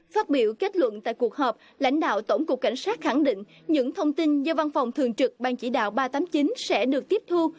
phát biểu kết luận tại cuộc họp lãnh đạo tổng cục cảnh sát khẳng định những thông tin do văn phòng thường trực ban chỉ đạo ba trăm tám mươi chín sẽ được tiếp thu